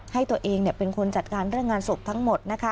ให้ตัวเองเป็นคนจัดการเรื่องงานศพทั้งหมดนะคะ